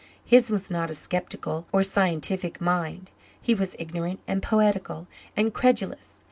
His was not a sceptical or scientific mind. He was ignorant and poetical and credulous.